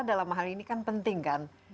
dalam hal ini kan penting kan